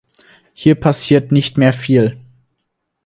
Hier passiert nicht mehr viel.